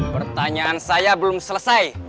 pertanyaan saya belum selesai